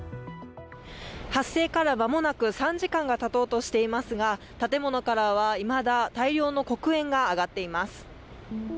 発生から間もなく３時間がたとうとしていますが建物からはいまだ大量の黒煙が上がっています。